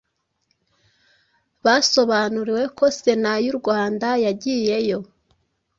Basobanuriwe ko Sena y’u Rwanda yagiyeho